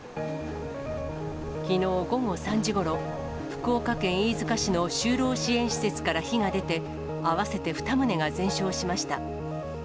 きのう午後３時ごろ、福岡県飯塚市の就労支援施設から火が出て、合わせて２棟が全焼しました。